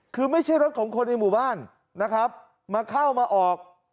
คือไม่ใช่รถของคนในหมู่บ้านนะครับมาเข้ามาออก